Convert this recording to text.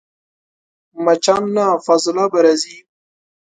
مچان له فاضلابه راځي